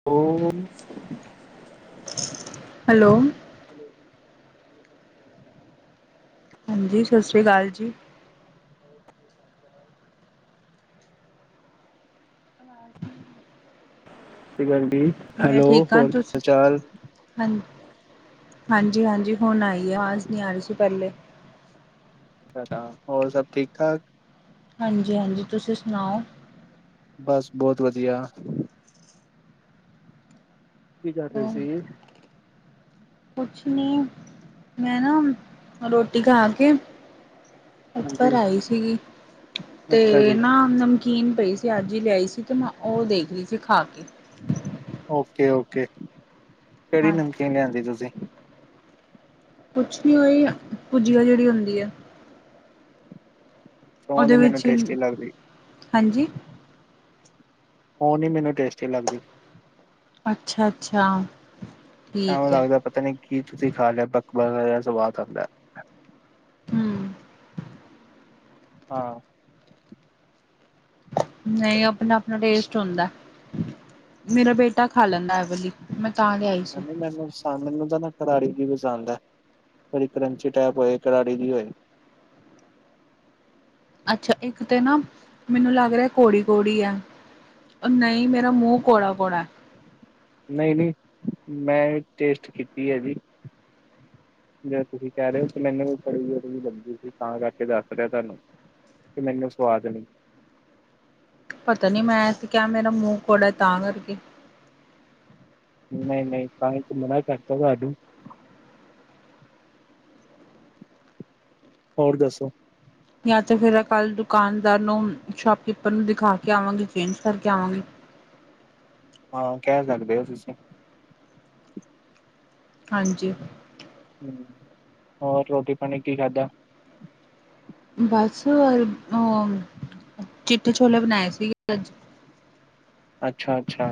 [unintelligible] Hello! ਹਾਂਜੀ, ਸਤਿ ਸ਼੍ਰੀ ਅਕਾਲ ਜੀ। ਆਵਾਜ਼ ਨੀ ਆ। ਕੀ ਬਲਡੀ ਹੈਲੋ ਠੀਕ ਹਾਂ ਹੋਰ ਕੀ ਹਾਲ ਤੁਸੀਂ ਚਾਲ। ਹਾਂ ਹਾਂਜੀ ਹਾਂਜੀ ਹੁਣ ਆਈ ਹੈ ਆਵਾਜ਼ ਨਹੀਂ ਆ ਰਹੀ ਸੀ ਪਹਿਲੇ। ਟਾਟਾ! ਹੋਰ ਸਭ ਠੀਕ ਠਾਕ। ਹਾਂਜੀ, ਹਾਂਜੀ ਤੁਸੀਂ ਸੁਣਾਓ। ਬਸ ਬਹੁਤ ਵਧੀਆ ਕੀ ਕਰ ਰਹੇ ਸੀ? ਕੁਛ ਨੀ ਮੈਂ ਨਾ ਰੋਟੀ ਖਾ ਕੇ। ਉੱਪਰ ਹਾਂਜੀ, ਆਈ ਸੀਗੀ ਅੱਛਾ ਤੇ ਜੀ, ਨਾ। ਨਮਕੀਨ ਪਈ ਸੀ, ਅੱਜ ਹੀ ਲਿਆਈ ਸੀ, ਤੇ ਮੈਂ ਉਹ ਦੇਖ ਰਹੀ ਸੀ ਖਾ ਕੇ। ਓਕੇ, ਓਕੇ ਕਿਹੜੀ ਹਾਂ ਨਮਕੀਨ ਲਿਆਂਦੀ ਤੁਸੀਂ? ਕੁਛ ਨੀ ਓਈ ਭੁਜੀਆ ਜਿਹੜੀ ਹੁੰਦੀ ਹੈ। ਉਹ ਨੀ ਉਹਦੇ ਮੈਨੂੰ ਵਿੱਚ, ਟੇਸਟੀ ਲੱਗਦੀ, ਹਾਂਜੀ। ਉਹ ਨੀ ਮੈਨੂੰ ਟੇਸਟੀ ਲੱਗਦੀ। ਅੱਛਾ, ਅੱਛਾ ਐਵੇਂ ਠੀਕ ਹੈ। ਲੱਗਦਾ ਪਤਾ ਨੀ ਕੀ ਤੁਸੀਂ ਖਾ ਲਿਆ ਵੱਕ ਵਕਾ ਜਿਹਾ ਸਵਾਦ ਆਉਂਦਾ। ਹੂੰ। ਹਾਂ। ਨਹੀਂ ਆਪਣਾ ਆਪਣਾ ਟੇਸਟ ਹੁੰਦਾ। ਮੇਰਾ ਬੇਟਾ ਖਾ ਲੈਂਦਾ ਹੈ, ਇਹ ਵਾਲੀ ਮੈਂ ਤਾਂ ਲ ਆਈ। ਨਹੀਂ ਨਹੀਂ ਮੈਨੂੰ। ਤਾਂ ਮੈਨੂੰ ਤਾਂ ਨਾ ਕਰਾੜੀ ਦੀ ਵੀ ਪਸੰਦ ਹੈ, ਜਿਹੜੀ ਕਰੰਚੀ ਟਾਈਪ ਹੋਏ ਕਰਾੜੀ ਦੀ ਹੋਏ। ਅੱਛਾ ਇੱਕ ਤੇ ਨਾ ਮੈਨੂੰ ਲੱਗ ਰਿਹਾ ਘੜੀ ਘੌੜੀ ਹੈ। ਨਹੀਂ ਮੇਰਾ ਮੂੰਹ ਕੋੌੜਾ ਕੋੌੜਾ। ਨਹੀਂ ਨਹੀਂ ਮੈਂ ਵੀ ਟੇਸਟ ਕੀਤੀ ਹੈ ਜੀ। ਜਿਹੜਾ ਤੁਸੀਂ ਕਹਿ ਰਹੇ ਹੋ ਮੈਨੂੰ ਬੜੀ ਵੀ ਜਲਦੀ ਲੱਗੀ ਸੀ ਤਾਂ, ਕਰਕੇ ਦੱਸ ਰਿਹਾ ਤੁਹਾਨੂੰ। ਅਤੇ ਮੈਨੂੰ ਸਵਾਦ ਨਹੀਂ। ਪਤਾ ਨੀ ਮੈਂ ਤੇ ਕਿਹਾ ਮੇਰਾ ਮੂੰਹ ਕੋੜਾ ਤਾਂ ਕਰਕੇ। ਨਹੀਂ ਨਹੀਂ ਤਾਂਹੀ ਤਾਂ ਮਨਾ ਕਰਤਾ ਤੁਹਾਨੂੰ। ਹੋਰ ਦੱਸੋ। ਜਾਂ ਤਾਂ ਫੇਰ ਕੱਲ ਦੁਕਾਨਦਾਰ ਨੂੰ ਸ਼ੋਪਕੀਪਰ ਨੂੰ ਦਿਖਾ ਕੇ ਆਵਾਂਗੇ, ਚੇਂਜ ਕਰਕੇ ਆਵਾਂਗੇ। ਹਾਂ, ਕਹਿ ਸਕਦੇ ਹੋ ਤੁਸੀਂ। ਹਾਂਜੀ। ਹਮ ਹੋਰ ਰੋਟੀ ਪਾਣੀ ਕੀ ਖਾਧਾ? ਬਸ ਅ ਚਿੱਟੇ ਛੋਲੇ ਬਣਾਏ ਸੀਗੇ ਅੱਜ। ਅੱਛਾ -ਅੱਛਾ!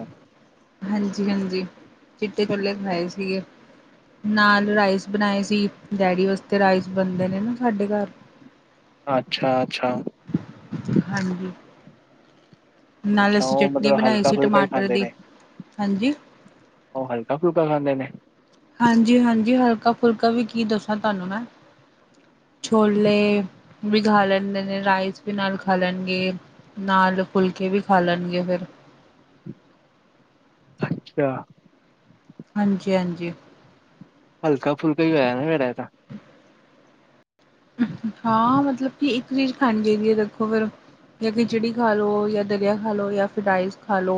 ਹਾਂਜੀ -ਹਾਂਜੀ ਚਿੱਟੇ ਛੋਲੇ ਖਾਏ ਸੀਗੇ। ਨਾਲ ਰਾਈਸ ਬਣਾਏ ਸੀ, ਡੈਡੀ ਵਾਸਤੇ ਰਾਈਸ ਬਣਦੇ ਨੇ ਨਾ ਸਾਡੇ ਘਰ। ਅੱਛਾ -ਅੱਛਾ! ਜ ਹਾਂਜੀ। ਨਾਲ ਅੱਛਾ ਅਸੀਂ ਉਹ ਚਟਨੀ ਮਤਲਬ ਬਣਾਈ ਹਲਕਾ ਸੀ ਫੁਲਕਾ ਹੀ ਟਮਾਟਰ ਖਾਂਦੇ ਦੀ, ਨੇ ਹਾਂਜੀ। ਉਹ ਹਲਕਾ ਫੁਲਕਾ ਖਾਂਦੇ ਨੇ? ਹਾਂਜੀ -ਹਾਂਜੀ ਹਲਕਾ ਫੁਲਕਾ ਵੀ ਕੀ ਦੱਸਾਂ ਤੁਹਾਨੂੰ ਮੈਂ। ਛੋਲੇ ਵੀ ਖਾ ਲੈਂਦੇ ਨੇ, ਰਾਈਸ ਵੀ ਨਾਲ ਖਾ ਲੈਣਗੇ। ਨਾਲ ਫੁਲਕੇ ਵੀ ਖਾ ਲੈਣਗੇ ਫੇਰ। ਅੱਛਾ। ਹਾਂਜੀ -ਹਾਂਜੀ! ਹਲਕਾ ਫੁਲਕਾ ਹੀ ਹੋਆ ਫੇਰ ਇਹ ਤਾਂ। ਹਾਂ, ਮਤਲਬ ਕਿ ਇੱਕ ਚੀਜ਼ ਖਾਣੀ ਚਾਹੀਦੀ ਹੈ ਦੇਖੋ ਫੇਰ। ਜਾਂ ਖਿਚੜੀ ਖਾ ਲੋ, ਜਾਂ ਦਲੀਆ ਖਾ ਲੋ, ਯਾ ਫਿਰ ਰਾਈਸ ਖਾ ਲੋ।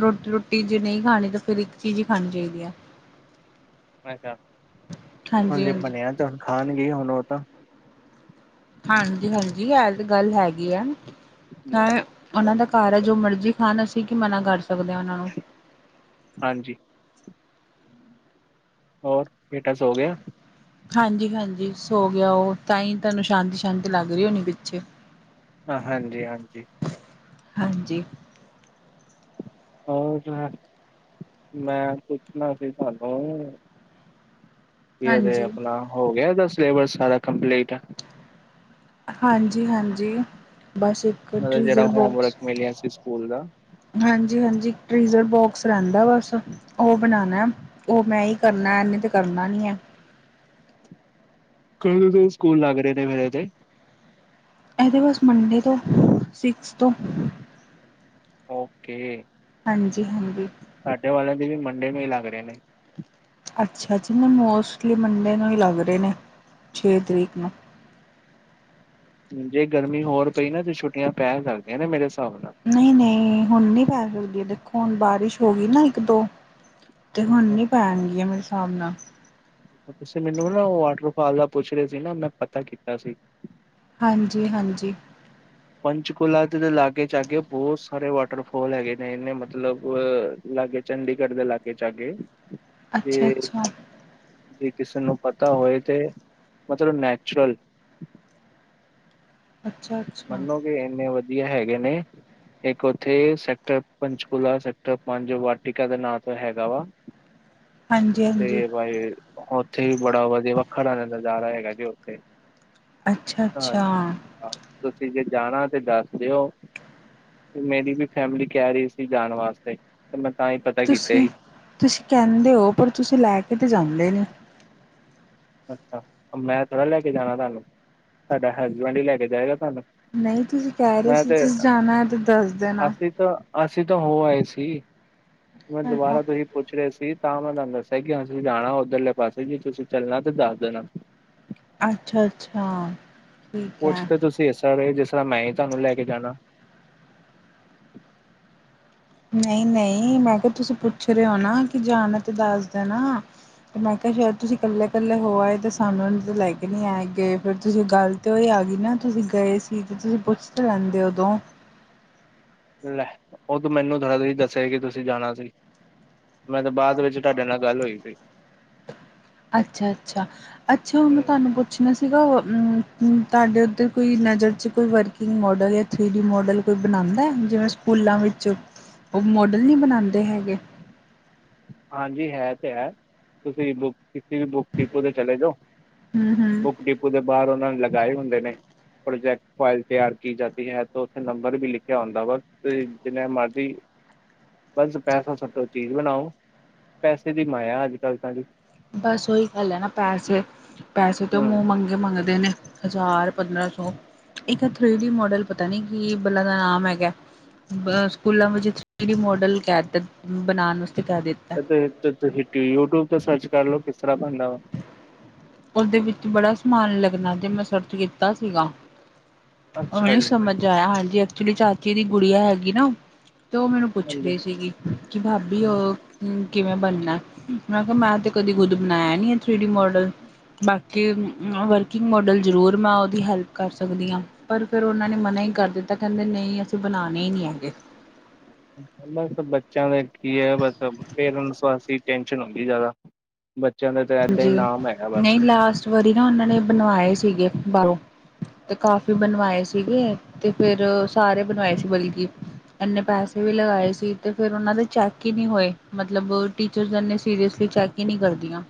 ਰੋਟੀ ਰੋਟੀ ਜੇ ਨਹੀਂ ਖਾਣੀ ਤਾਂ ਫੇਰ ਇੱਕ ਚੀਜ਼ ਹੀ ਖਾਣੀ ਚਾਹੀਦੀ ਹੈ। ਅ ਹਾਂਜੀ ਬਣਿਆ ਤੇੁ ਹੁਣ ਖਾਣਗੇ ਹੁਣ ਉਹ ਤਾਂ। ਹਾਂਜੀ -ਹਾਂਜੀ ਇਹ ਤੇ ਗੱਲ ਹੈਗੀ ਆ। ਹੂੰ ਉਹਨਾਂ ਦਾ ਘਰ ਹੈ, ਜੋ ਮਰਜ਼ੀ ਖਾਣ, ਅਸੀਂ ਕੀ ਮਨਾ ਕਰ ਸਕਦੇ ਹਾਂ ਉਹਨਾਂ ਨੂੰ। ਹਾਂਜੀ। ਹੋਰ ਬੇਟਾ ਸੋ ਗਿਆ? ਹਾਂਜੀ -ਹਾਂਜੀ ਸੋ ਗਿਆ ਉਹ, ਤਾਂ ਹੀ ਤੁਹਾਨੂੰ ਸ਼ਾਂਤੀ -ਸ਼ਾਂਤੀ ਲੱਗ ਰਹੀ ਹੋਣੀ ਪਿੱਛੇ। ਹਾਂਜੀ-ਹਾਂਜੀ। ਹਾਂਜੀ। ਹੋ ਜੀ ਮੈਂ ਪੁੱਛਣਾ ਸੀ ਤੁਹਾਨੂੰ। ਕੀਦੇ ਹਾਂਜੀ, ਆਪਣਾ ਹੋ ਗਿਆ ਇਹਦਾ ਸਿਲੇਬਸ ਸਾਰਾ ਕੰਪਲੀਟ। ਹਾਂਜੀ- ਹਾਂਜੀ ਬਸ ਮਤਲਬ ਜਿਹੜਾ ਟ੍ਰੀਜ਼ਰ ਹੋਮਵਰਕ ਮਿਲਿਆ ਸੀ ਸਕੂਲ ਦਾ ਹਾਂਜੀ -ਹਾਂਜੀ ਟ੍ਰੀਜ਼ਰ ਬੋਕਸ ਰਹਿੰਦਾ ਬਸ। ਉਹ ਬਣਾਨਾ, ਉਹ ਮੈਂ ਈ ਕਰਨਾ, ਇਨੇ ਤੇ ਕਰਨਾ ਨਹੀਂ ਹੈ। ਕਿਹੜੇ ਦਿਨ ਸਕੂਲ ਲੱਗ ਰਹੇ ਨੇ ਮੇਰੇ ਤੇ? ਇਹਦੇ ਬਸ ਮੰਡੇ ਤੋਂ ਸਿਕਸ ਤੋਂ। ਓਕੇ। ਹਾਂਜੀ ਹੰਦੀ। ਸਾਡੇ ਵਾਲਿਆਂ ਦੇ ਵੀ ਮੰਡੇ ਨੂੰ ਹੀ ਲੱਗ ਰਹੇ ਨੇ। ਅੱਛਾ ਜੀ, ਨੇ ਮੋਸਟਲੀ ਮੰਡੇ ਨੂੰ ਹੀ ਲੱਗ ਰਹੇ ਨੇ, ਛੇ ਤਰੀਕ ਨੂੰ। ਜੇ ਗਰਮੀ ਹੋਰ ਪਈ ਨਾ ਤੇ ਛੁੱਟੀਆਂ ਪੈ ਸਕਦੀਆਂ ਨੇ ਮੇਰੇ ਹਿਸਾਬ ਨਾਲ। ਨਹੀਂ- ਨਹੀਂ ਹੁਣ ਨਹੀਂ ਪੈ ਸਕਦੀ ਹੈ, ਦੇਖੋ, ਹੁਣ ਬਾਰਿਸ਼ ਹੋ ਗਈ ਨਾ ਇੱਕ ਦੋ। ਤੇ ਹੁਣ ਅੱਛਾ, ਨੀ ਪੈਣਗੀਆਂ ਮੇਰੇ ਹਿਸਾਬ ਨਾਲ। ਤੁਸੀਂ ਮੈਨੂੰ ਨਾ ਉਹ ਵਾਟਰਫਾਲ ਦਾ ਪੁੱਛ ਰਹੇ ਸੀ ਨਾ, ਮੈਂ ਪਤਾ ਕੀਤਾ ਸੀ। ਹਾਂਜੀ-ਹਾਂਜੀ। ਪੰਚਕੁਲਾ ਦੇ ਲਾਗੇ-ਚਾਗੇ ਬਹੁਤ ਸਾਰੇ ਵਾਟਰਫਾਲ ਹੈਗੇ ਨੇ, ਇਹਨੇ ਮਤਲਬ ਲਾਗੇ, ਚੰਡੀਗੜ੍ਹ ਦੇ ਲਾਗੇ-ਚਾਗੇ ਤੇ ਅੱਛਾ ਅੱਛਾ ਜੇ ਕਿਸੇ ਨੂੰ ਪਤਾ ਹੋਏ ਤੇ ਮਤਲਬ ਨੈਚੁਰਲ ਅੱਛਾ ਅੱਛਾ ਮਨੋਗੇ ਇੰਨੇ ਵਧੀਆ ਹੈਗੇ ਨੇ ਇੱਕ ਉੱਥੇ ਸੈਕਟਰ ਪੰਚਕੂਲਾ ਸੈਕਟਰ ਪੰਜ-ਵਾਟਿਕਾ ਦੇ ਨਾਂ ਤੋਂ ਹੈਗਾ ਵਾ। ਹ ਹਾਂਜੀ ਹਾਂਜੀ ਤੇ ਬਾਈ, ਉੱਥੇ ਵੀ ਬੜਾ ਵਧੀਆ ਵੱਖਣ ਆਲਾ ਨਜ਼ਾਰਾ ਹੈਗਾ ਜੇ, ਓ ਅੱਛਾ, ਅੱਛਾ! ਆਹ! ਤੁਸੀਂ ਜੇ ਜਾਣਾ ਤੇ ਦੱਸ ਦਿਓ। ਮੇਰੀ ਵੀ ਫੈਮਿਲੀ ਕਹਿ ਰਹੀ ਸੀ ਜਾਣ ਵਾਸਤੇ, ਤੇ ਮੈਂ ਤਾਂ ਹੀ ਪਤਾ ਕੀਤਾ ਤੁਸੀਂ ਹੀ। ਤੁਸੀਂ ਕਹਿੰਦੇ ਔ, ਪਰ ਤੁਸੀਂ ਲੈ ਕੇ ਤੇ ਜਾਂਦੇ ਨਹੀਂ। ਅੱਛਾ! ਓ ਮੈਂ ਥੋੜਾ ਲੈ ਕੇ ਜਾਣਾ ਤੁਹਾਨੂੰ, ਤਾਡਾ ਹਸਬੈਂਡ ਹੀ ਲੈ ਕੇ ਜਾਏਗਾ ਤੁਹਾਨੂੰ। ਨਹੀਂ, ਤੁਸੀਂ ਕਹਿ ਰਹੇ ਮੈਂ ਸੀ, ਤੇ ਤੁਸੀਂ ਜਾਣਾ ਹੈ ਤੇ ਦੱਸ ਦੇਣਾ। ਅਸੀਂ ਤਾਂ ਅਸੀਂ ਤੋਂ ਹੋ ਆਏ ਸੀ, ਮੈਂ ਅੱਛਾ ਦੁਬਾਰਾ ਤੁਸੀ ਤੋਂ ਹੀ ਪੁੱਛ ਰਹੇ ਸੀ। ਤਾਂ ਮੈਂ ਤੁਹਾਨੂੰ ਦੱਸਿਆ ਕਿ ਅਸੀਂ ਜਾਣਾ ਉੱਧਰਲੇ ਪਾਸੇ, ਜੇ ਤੁਸੀਂ ਚੱਲਣਾ ਤੇ ਦੱਸ ਦੇਣਾ। ਅੱਛਾ, ਅੱਛਾ, ਠੀਕ ਕੁਛ ਹੈ! ਤੇ ਤੁਸੀਂ ਇਸ ਤਰ੍ਹਾਂ ਰਹੇ ਜਿਸ ਤਰ੍ਹਾਂ ਮੈਂ ਹੀ ਤੁਹਾਨੂੰ ਲੈ ਕੇ ਜਾਣਾ। ਨਹੀਂ-ਨਹੀਂ, ਮੈਂ ਕਿਹਾ-ਤੁਸੀਂ ਪੁੱਛ ਰਹੇ ਹੋ ਨਾ ਕਿ ਜਾਨਾ ਤੇ ਦੱਸ ਦੇਣਾ। ਤੇ ਮੈਂ ਕਿਹਾ, ਸ਼ਾਇਦ ਤੁਸੀਂ ਇਕੱਲੇ-ਇਕੱਲੇ ਹੋ ਆਏ ਤਾਂ ਸਾਨੂੰ ਇਹ ਤਾਂ ਲੈ ਕੇ ਨਹੀਂ ਆਏ ਗਏ ਫਿਰ ਤੁਸੀਂ ਗੱਲ ਤੇ ਉਹ ਆ ਗਈ ਨਾ, ਤੁਸੀਂ ਗਏ ਸੀ ਤੇ ਤੁਸੀਂ ਪੁੱਛ ਲੈਂਹਿਦੇ ਉਦੋਂ। ਲੈ ਉਹ ਤੂੰ ਮੈਨੂੰ ਥੋੜਾ ਤੁਸੀ ਦਸਿਆ ਕਿ ਤੁਸੀਂ ਜਾਣਾ ਸੀ। ਮੈਂ ਤਾਂ ਬਾਅਦ ਵਿੱਚ ਤੁਹਾਡੇ ਨਾਲ ਗੱਲ ਹੋਈ ਸੀ। ਅੱਛਾ, ਅੱਛਾ! ਅੱਛਾ, ਹੁਣ ਹੂੰ ਤੁਹਾਨੂੰ ਪੁ ਪੁੱਛਣਾ ਸੀਗਾ ਔ, ਮ ਮ ਤੁਹਾਡੇ ਉੱਧਰ ਕੋਈ ਨਜ਼ਰ 'ਚ ਕੋਈ ਵਰਕਿੰਗ ਮੋਡਲ ਹੈ? ਥ੍ਰੀ ਡੀ ਮੋਡਲ ਕੋਈ ਬਣਾਦਾ ਜਿਵੇਂ ਸਕੂਲਾਂ ਵਿੱਚ ਉਹ ਮੋਡਲ ਨਹੀਂ ਬਣਾਦੇ ਹੈਗੇ। ਹਾਂਜੀ, ਹੈ ਤੇ ਹੈ। ਤੁਸੀਂ ਬੁੱਕ--ਕਿਸੇ ਵੀ ਬੁੱਕ ਡਿਪੂ 'ਤੇ ਚਲੇ ਜਾਓ, ਹਮ ਹਮ ਬੁੱਕ ਡਿਪੂ ਦੇ ਬਾਹਰ ਉਹਨਾਂ ਨੇ ਲਗਾਏ ਹੁੰਦੇ ਨੇ। ਪ੍ਰੋਜੈਕਟ ਫਾਈਲ ਤਿਆਰ ਕੀ ਜਾਂਦੀ ਹੈ ਤੇ ਉੱਥੇ ਨੰਬਰ ਵੀ ਲਿਖਿਆ ਹੁੰਦਾ ਵਾ। ਤੁਸੀਂ ਜਿਨੇ ਮਰਜ਼ੀ ਬਸ ਪੈਸਾ ਸੁੱਟੋ, ਚੀਜ਼ ਬਣਾਓ। ਪੈਸੇ ਦੀ ਮਾਇਆ ਅੱਜ-ਕੱਲ੍ਹ ਤਾਂ ਜੀ। ਬਸ ਉਹੀ ਗੱਲ ਹੈ ਨਾ, ਪੈਸੇ ਪੈਸੇ ਤਾਂ ਮੂੰਹ ਹੂੰ ਮੰਗੇ ਮੰਗਦੇ ਨੇ। ਹਜ਼ਾਰ-ਪੰਦਰਾਂ ਸੌ, ਇੱਕ ਥ੍ਰੀ ਡੀ ਮਾਡਲ ਪਤਾ ਨੀ ਕਿ ਬੱਲਾਂ ਦਾ ਨਾਮ ਹੈਗਾ! ਬ, ਸਕੂਲਾਂ ਵਿੱਚ ਥ੍ਰੀ ਡੀ ਮੋਡਲ ਕਹਿ ਦੇਣ--ਬਣਾਉਣ ਵਾਸਤੇ ਕਹਿ ਦੇ ਫੇਰ ਤੇ ਕੀ ਯੂਟਿਊਬ ਤੇ ਸਰਚ ਕਰ ਲਓ, ਕਿਸ ਤਰ੍ਹਾਂ ਬਣਦਾ ਵਾ। ਉਹਦੇ ਵਿੱਚ ਬੜਾ ਸਮਾਨ ਲੱਗਣਾ ਤੇ ਮੈਂ ਸਰਚ ਕੀਤਾ ਸੀਗਾ, ਓ ਅੱਛਾ ਨੀ ਜੀ ਸਮਝ ਜਾਇਆ ਹਾਂਜੀ ਐਕਚੁਲੀ ਚਾਚੇ ਦੀ ਗੁੜੀਆ ਹੈਗੀ ਨਾ, ਤੇ ਉਹ ਮੈਨੂੰ ਪੁੱਛ ਰਹੀ ਹਾਂਜੀ ਸੀਗੀ ਕਿ ਭਾਬੀ ਉਹ ਕਿਵੇਂ ਬਣਨਾ, ਮੈਂ ਕਿਹਾ ਮੈਂ ਤੇ ਕਦੀ ਖੁੱਦ ਬਣਾਇਆ ਨੀ ਹੈ ਥ੍ਰੀ ਡੀ ਮਾਡਲ। ਬਾਕੀ ਮੈਂ ਵਰਕਿੰਗ ਮੋਡਲ ਜ਼ਰੂਰ ਮੈਂ ਉਹਦੀ ਹੈਲਪ ਕਰ ਸਕਦੀ ਹਾਂ। ਪਰ ਫੇਰ ਉਹਨਾਂ ਨੇ ਮਨਾ ਹੀ ਕਰ ਦਿੱਤਾ, ਕਹਿੰਦੇ ਨਹੀਂ ਅਸੀਂ ਬਣਾਉਣੇ ਹੀ ਨਹੀਂ ਹੈਗੇ। ਬਸ ਬੱਚਿਆਂ ਦਾ ਕੀ ਹੈ, ਬਸ ਪੇਰੈਂਟਸ ਵਾਸਤੇ ਟੈਨਸ਼ਨ ਹੁੰਦੀ ਜ਼ਿਆਦਾ। ਬੱਚਿਆਂ ਦਾ ਤੇ ਏਦਾਂ ਹੀ ਨਾਮ ਹੈਗਾ ਬਸ। ਇੱਕ ਵਾਰੀ ਨਾ ਉਹਨਾਂ ਨੇ ਬਣਵਾਏ ਸੀਗੇ ਬਾਹਰੋਂ। ਤੇ ਕਾਫੀ ਬਣਵਾਏ ਸੀਗੇ ਤੇ, ਫਿਰ ਸਾਰੇ ਬਣਵਾਏ ਸੀ ਬਲਕਿ। ਏਨੇ ਪੈਸੇ ਵੀ ਲਗਾਏ ਸੀ ਤੇ ਫੇਰ ਓਨਾਂ ਦੇ ਚੈੱਕ ਈ ਨੀ ਹੋਏ ਮਤਲਬ ਟੀਚਰਸ ਏਨੇ ਸੀਰੀਅਸਲੀ ਚੈੱਕ ਈ ਨੀ ਕਰਦੀਆਂ।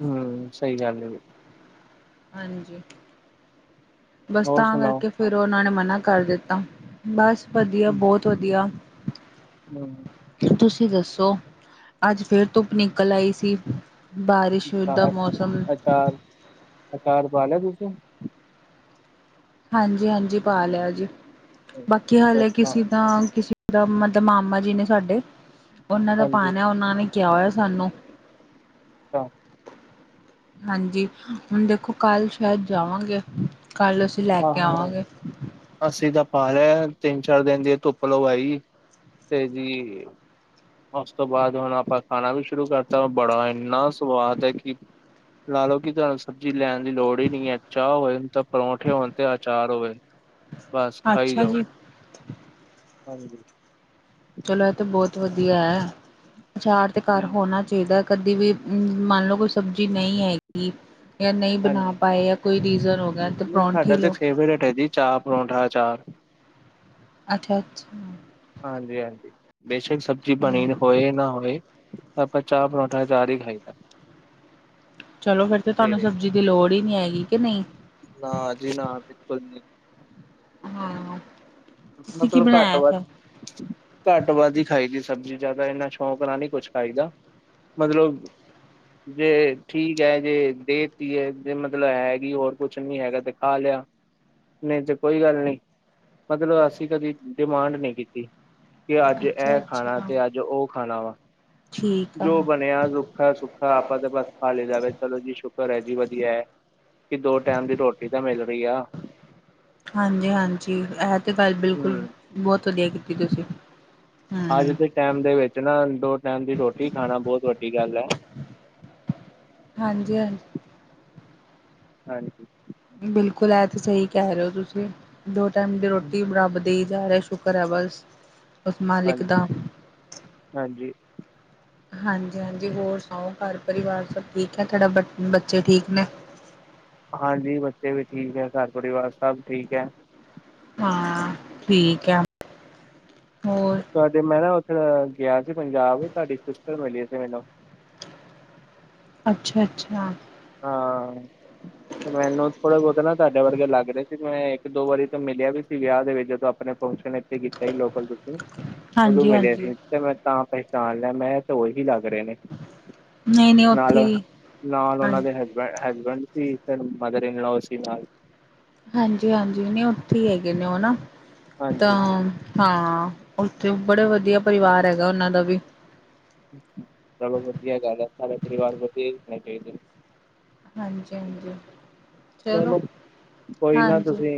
ਹੂੰ, ਸਈ ਗੱਲ ਏ। ਹਾਂਜੀ ਬਸ ਹੋਰ ਤਾਂ ਸੁਣਾਓ ਕਰਕੇ ਫੇਰ ਓਨਾਂ ਨੇ ਮਨਾ ਕਰ ਦਿੱਤਾ, ਬਸ ਵਧੀਆ ਬੌਤ ਵਧੀਆ। ਹਾਂ ਤੁਸੀ ਦੱਸੋ? ਅੱਜ ਫੇਰ ਧੁੱਪ ਨਿਕਲ ਆਈ ਸੀ। ਬਾਰਿਸ਼ ਹੋ ਦਾ ਮੌਸਮ ਚਾਰ ਅਚਾਰ ਪਾ ਲਿਆ ਤੁਸੀ? ਹਾਂਜੀ- ਹਾਂਜੀ ਪਾ ਲਿਆ ਜੀ, ਬਾਕੀ ਹਲੇ ਕਿਸੇ ਦਾ ਕਿਸ ਓਦਾਂ ਮਤਲ ਮਾਮਾ ਜੀ ਨੇ ਸਾਡੇ ਓਨਾਂ ਦਾ ਹਾਂਜੀ ਪਾਨਾ ਏ ਓਨਾਂ ਨੇ ਕੇਆ ਹੋਇਆ ਸਾਨੂੰ। ਅੱਛਾ ਹਾਂਜੀ, ਹੁਨ ਦੇਖੋ ਕੱਲ ਸਸ਼ੈਦ ਜਾਵਾਂਗੇ ਕੱਲ ਅਸੀ ਆਹੋ ਆਹੋ ਅੱਸੀ ਤਾ ਪਾ ਲਿਆ ਏ ਤਿੰਨ ਚਾਰ ਦਿਨ ਦੀ ਧੁੱਪ ਲਵਾਈ ਤੇ ਜੀ ਓਸ ਤੋਂ ਬਾਅਦ ਹੁਨ ਆਪਾ ਖਾਨਾ ਵੀ ਸ਼ੁਰੂ ਕਰਤਾ ਬੜਾ ਏਨਾ ਸੁਵਾਦ ਐ ਕਿ ਲਾ ਲੋ ਕਿ ਤੁਆਨ ਸਬਜ਼ੀ ਲੈਣ ਦੀ ਲੋੜ ਈ ਨਈ ਐ ਚਾ ਹੋ ਜਨ ਤੇ ਪਰੌਂਠੇ ਹੋ ਜਾਨ ਤੇ ਅਚਾਰ ਹੋਵੇ। ਬਸ ਖਾਈ ਅੱਛਾ ਜਾਓ, ਜੀ ਹਾਂਜੀ। ਚਲੋ ਏ ਤੇ ਬੌਤ ਵਧੀਆ ਐ ਅਚਾਰ ਤੇ ਘਰ ਹੂੰ, ਹੋਨਾ ਚਾਈਦੈ। ਕਦੀ ਵੀ ਮੰਨ ਲਓ ਕੋਈ ਸਬਜ਼ੀ ਨਈ ਹੈਗੀ ਯਾ ਨਈ ਬਨਾ ਹਾਂਜੀ, ਪਾਏ ਯਾ ਕੋਈ ਰੀਜ਼ਨ ਹੋ ਗਿਆ ਹੂੰ, ਤੇ ਨਹੀਂ ਪਰੌਂਠੀ ਸਾਡਾ ਤੇ ਲਓ। ਫੇਵਰੇਟ ਐ ਜੀ ਚਾਹ, ਪਰੌਂਠਾ, ਅਚਾਰ। ਅਠ ਅਚ ਹਾਂਜੀ- ਹਾਂਜੀ, ਬੇਸ਼ਕ ਸਬਜ਼ੀ ਬਨੀ ਨ ਹੋਏ ਨਾ ਹੋਏ। ਆਪਾਂ ਚਾਹ, ਪਰੌਂਠਾ ਅਚਾਰ ਈ ਖਾਾਈਦਾ। ਚਲੋ ਫੇਰ ਤੇ ਤਾਨੂੰ ਸਬਜ਼ੀ ਦੀ ਲੋੜ ਈ ਨੀ ਹੈਗੀ ਕਿ ਨਈ। ਨਾ ਜੀ ਨਾ ਬਿਲਕੁਲ ਨੀ ਹਾਂ, ਤੁਸੀ ਕੀ ਮਤਲਬ ਘੱਟ ਬਨਾਇਆ ਏ ਵੱਧ ਫੇਰ? ਘੱਟ- ਵੱਧ ਈ ਖਾਈ ਦੀ ਸਬਜ਼ੀ ਜਆਦਾ ਏਨਾ ਸ਼ੌਕ ਨਾਲ ਨੀ ਕੁਛ ਖਾਈ ਦਾ। ਮਦਲਬ ਤੇ ਠੀਕ ਐ ਜੇ ਦੇ ਤੀ ਐ ਤੇ ਮਤਲਬ ਹੈ ਨੀ ਹੋਰ ਕੁਛ ਨੀ ਹੈਗਾ ਤੇ ਖਾ ਲਿਆ। ਨਈ ਤੇ ਕੋਈ ਗੱਲ ਨੀ। ਮਤਲ ਅਸੀ ਕਦੀ ਡਿਮਾਂਡ ਨੀ ਕੀਤੀ ਕਿ ਅੱਜ ਅੱਛਾ ਐ ਖਾਣਾ ਅੱਛਾ। ਤੇ ਅੱਜ ਓ ਖਾਣਾ ਵਾ। ਠੀਕ ਆ ਜੋ ਬਨਿਆ ਰੁੱਖਾ- ਸੁੱਖਾ ਆਪਾ ਤੇ ਬਸ ਖਾ ਲੀ ਦਾ ਵੀ ਚਲੋ ਜੀ ਸ਼ੁਕਰ ਐ ਜੀ ਵਧੀਆ ਐ। ਕਿ ਦੋ ਟੈਮ ਦੀ ਰੋਟੀ ਤਾ ਮਿਲ ਰਈ ਆ। ਹਾਂਜੀ- ਹਾਂਜੀ, ਐ ਤੇ ਗੱਲ ਬਿਲਕੁਲ ਹਮ ਬੌਤ ਵਧੀਆ ਕੀਤੀ ਤੁਸੀ। ਅੱਜ ਦੇ ਟੈਮ ਦੇ ਵਿੱਚ ਨਾ ਦੋ ਟੈਮ ਦੀ ਰੋਟੀ ਖਾਨਾ ਬੌਤ ਵੱਡੀ ਗੱਲ ਐ। ਹਾਂਜੀ ਹਾਂਜ ਹਾਂ ਬਿਲਕੁਲ ਐ ਤੇ ਸਈ ਕੈ ਰੇ ਓ ਤੁਸੀ ਦੋ ਟੈਮ ਦੀ ਰੋਟੀ ਰੱਬ ਦੇਈ ਜਾ ਰਾ ਸ਼ੁਕਰ ਐ ਵਸ ਉਸ ਮਾਲਿਕ ਹਾਂਜੀ ਦਾ। ਹਾਂਜੀ ਹਾਂਜੀ, ਹਾਂਜੀ ਹੋਰ ਸੁਣਾਓ ਘਰ ਪਰਿਵਾਰ ਸਭ ਠੀਕ ਐ ਤਾਡਾ ਬ ਬੱਚੇ ਠੀਕ ਨੇ? ਹਾਂਜੀ ਬੱਚੇ ਵੀ ਠੀਕ ਐ ਘਰ ਪਰਿਵਾਰ ਸਭ ਠੀਕ ਐ ਹਾਂ ਠੀਕ ਐ ਤਾਡੇ ਮੈਂ ਨਾ ਔਥੇ ਗਿਆ ਸੀ ਪੰਜਾਬ ਤਾਡੀ ਸਿਸਟਰ ਮਿਲੀ ਸੀ ਮੈਨੂੰ ਅੱਛਾ- ਅੱਛਾ। ਹਾਂ। ਤੇ ਮੈਨੂੰ ਥੋੜਾ ਬੋਤਾ ਨਾ ਤਾਡੇ ਵਰਗੇ ਲੱਗ ਰੇ ਸੀ ਜਿਵੇਂ ਇੱਕ ਦੋ ਵਾਰੀ ਤੇ ਮਿਲਿਆ ਵੀ ਸੀ ਵਿਆਹ ਦੇ ਵਿੱਚ ਜਦ ਅਪ ਅਪਣੇ ਫੰਕਸ਼ਨ ਇੱਥੇ ਕੀਤਾ ਸੀ ਲੋਕਲ ਤੁਸੀਂ, ਔਦੋਂ ਹਾਂਜੀ ਮਿਲਿਆ ਹਾਂਜੀ ਸੀ ਤੇ ਮੈਂ ਤਾਂ ਪਹਿਚਾਣ ਲੈ ਮੈਂ ਤੇ ਔਹੀ ਲੱਗ ਰੇ ਨੇ ਨਹੀਂ ਨਹੀਂ ਉੱਥੇ ਨਾਲ, ਹੀ ਨਾਲ ਔਨਾਂ ਹਾਂਜੀ ਹਸਬੈਂ ਹਸਬੈਂਡ ਸੀ ਤੇ ਮਦਰ ਇਨਲੋਓ ਸੀ ਨਾਲ। ਹਾਂਜੀ -ਹਾਂਜੀ ਨੀ ਔਥੇ ਈ ਹੈਗੇ ਨੇ ਔ ਨਾ ਹਾਂਜੀ। ਤਾਂ- ਹਾਂ ਔਥੇ ਬੜੇ ਵਧੀਆ ਪਰਿਵਾਰ ਹੈਗਾ ਔਨਾਂ ਦਾ ਵੀ ਚਲੋ ਵਧੀਆ ਗੱਲ ਐ, ਸਾਰਾ ਪਰਿਵਾਰ ਵਧੀਆਣੇ ਚਾਈਦੈ। ਹਾਂਜੀ- ਹਾਂਜੀ। ਚਲੋ, ਕੋਈ ਨਾ ਹਾਂਜੀ ਤੁਸੀਂ,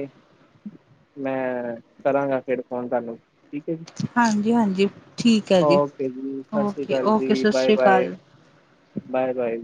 ਮੈਂ ਕਰਾਂਗਾ ਫੇਰ ਫੋਨ ਤਾਨੂੰ ਠੀਕੇ ਜੀ, ਹਾਂਜੀ ਹਾਂਜੀ ਠੀਕ ਹੈ ਜੀ ਔਕੇ ਜੀ ਸਾਸਰੀ ਓਕੇ ਕਾਲ ਓਕੇ ਜੀ ਸਤਿ ਬਾਏ- ਸ਼੍ਰੀ ਬਾਏ। ਅਕਾਲ ਬਾਏ- ਬਾਏ।